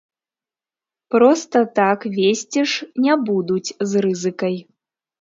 Проста так везці ж не будуць з рызыкай.